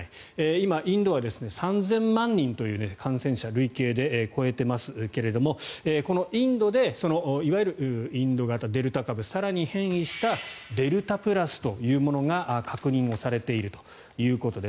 今、インドは３０００万人という感染者累計で超えていますけどこのインドでいわゆるインド型、デルタ株更に変異したデルタプラスというものが確認されているということです。